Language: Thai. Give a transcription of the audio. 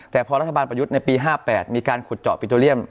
แต่พอรัฐบาลประยุทธ์ในปี๕๘มีการขุดเจาะปิโตเรียม